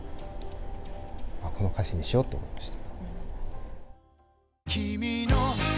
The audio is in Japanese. この歌詞にしようと思いました。